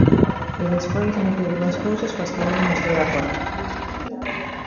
E despois mete dúas cousas coas que eu non estou de acordo.